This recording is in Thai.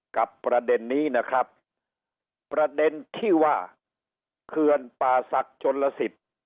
ประเด็นนี้นะครับประเด็นที่ว่าเขื่อนป่าศักดิ์ชนลสิทธิ์